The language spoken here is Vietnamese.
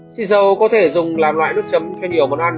xì dầu có thể dùng làm loại nước chấm cho nhiều món ăn